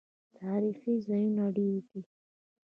تاریخي ځایونه یې ډیر دي.